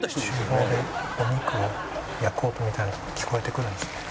厨房でお肉を焼く音みたいなのが聞こえてくるんですね。